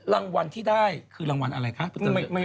รางวัลที่ได้คือรางวัลอะไรคะ